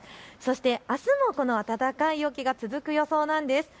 あすもこの暖かい陽気が続く予想なんです。